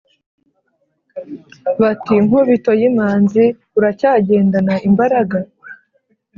Bati: “Nkubito y’imanzi Uracyagendana imbaraga?